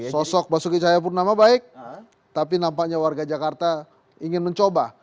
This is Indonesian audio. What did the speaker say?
sosok basuki cahayapurnama baik tapi nampaknya warga jakarta ingin mencoba